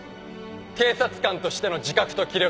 警察官としての自覚と気力。